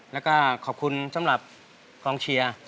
แล้วก็ขอบคุณสำหรับกองเชียร์